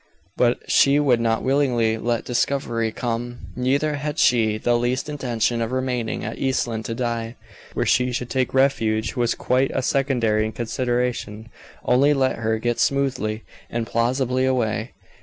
But she would not willingly let discovery come, neither had she the least intention of remaining at East Lynne to die. Where she should take refuge was quite a secondary consideration, only let her get smoothly and plausibly away.